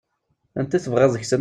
Anita i tebɣiḍ deg-sent?